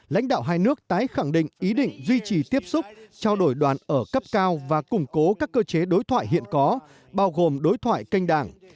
lãnh đạo hai nước tái khẳng định ý định duy trì tiếp xúc trao đổi đoàn ở cấp cao và củng cố các cơ chế đối thoại hiện có bao gồm đối thoại kênh đảng